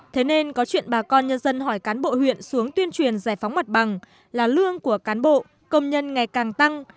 thế nên có chuyện bà con nhân dân hỏi cán bộ huyện xuống tuyên truyền giải phóng mặt bằng là lương của cán bộ công nhân ngày càng tăng